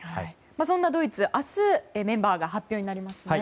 そんなドイツ、明日メンバーが発表になりますね。